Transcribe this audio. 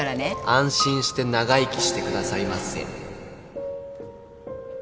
安心して長生きしてくださいませ